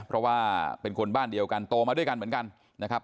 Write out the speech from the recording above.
เพราะว่าเป็นคนบ้านเดียวกันโตมาด้วยกันเหมือนกันนะครับ